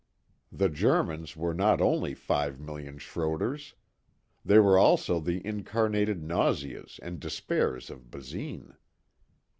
The Germans were not only five million Schroders. They were also the incarnated nauseas and despairs of Basine.